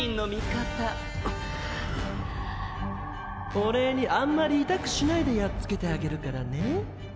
お礼にあんまり痛くしないでやっつけてあげるからね。